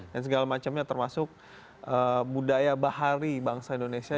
dan segala macamnya termasuk budaya bahari bangsa indonesia